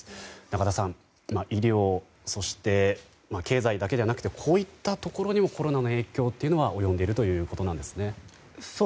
仲田さん、医療やそして、経済だけでなくこういったところにもコロナの影響が及んでいるということですね。